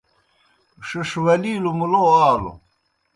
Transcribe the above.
ݜِݜ ولِیلوْ مُلو آلوْ۔